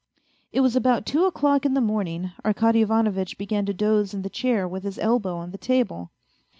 It was about two o'clock in the morning, Arkady Ivanovitch began to doze in the chair with his elbow on the table